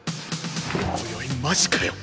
おいおいマジかよ！